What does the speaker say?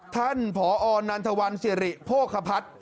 ท่านผอนันทวันสิริโภคพัฒน์